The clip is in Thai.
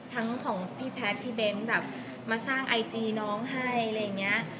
ทั้งของพี่แพทย์พี่เบ้นแบบมาสร้างไอจีน้องให้อะไรอย่างนี้